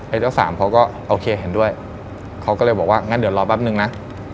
เจ้าสามเขาก็โอเคเห็นด้วยเขาก็เลยบอกว่างั้นเดี๋ยวรอแป๊บนึงนะ